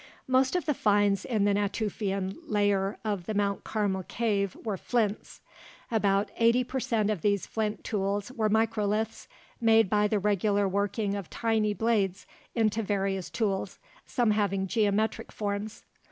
Most of the finds in the Natufian layer of the Mount Carmel cave were flints. About 80 per cent of these flint tools were microliths made by the regular working of tiny blades into various tools, some having geometric forms.